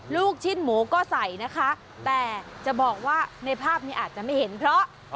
ลูกชิ้นหมูก็ใส่นะคะแต่จะบอกว่าในภาพนี้อาจจะไม่เห็นเพราะ